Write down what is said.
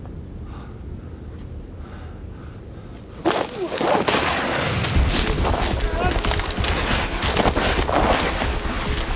うわっうわっ！